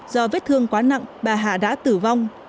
do vết thương quá nặng bà hà đã tử vong